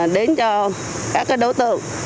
đến cho các đối tượng